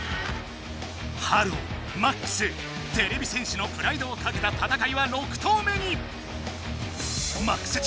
ｈｅｌｌｏ，ＭＡＸてれび戦士のプライドをかけた戦いは６投目に！